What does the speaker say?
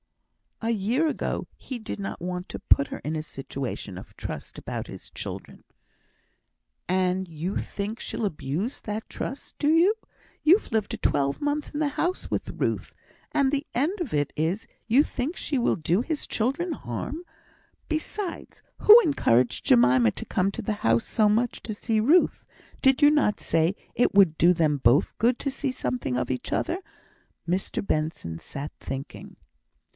"A year ago he did not want to put her in a situation of trust about his children." "And you think she'll abuse that trust, do you? You've lived a twelvemonth in the house with Ruth, and the end of it is, you think she will do his children harm! Besides, who encouraged Jemima to come to the house so much to see Ruth? Did you not say it would do them both good to see something of each other?" Mr Benson sat thinking.